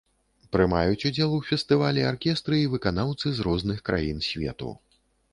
Прымаюць удзел у фестывалі аркестры і выканаўцы з розных краін свету.